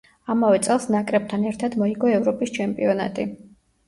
ამავე წელს ნაკრებთან ერთად მოიგო ევროპის ჩემპიონატი.